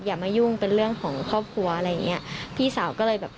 อย่ามายุ่งเป็นเรื่องของครอบครัวอะไรอย่างเงี้ยพี่สาวก็เลยแบบ